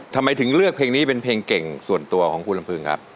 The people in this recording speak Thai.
ทำไมถึงเลือกเพลงนี้เป็นเพลงเก่งส่วนตัวของคุณลำพึงครับ